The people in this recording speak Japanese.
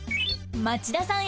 ［町田さん